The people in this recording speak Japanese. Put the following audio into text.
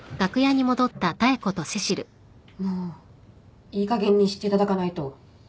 もういいかげんにしていただかないと。